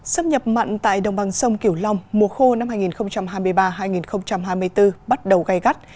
xâm nhập mặn tại đồng bằng sông kiểu long mùa khô năm hai nghìn hai mươi ba hai nghìn hai mươi bốn bắt đầu gây gắt